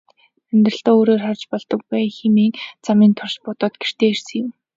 Амьдралаа өөрөөр харж өөдрөг байя хэмээн замын турш бодоод гэртээ ирсэн юм.